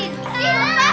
jangan dimatikan punya apaan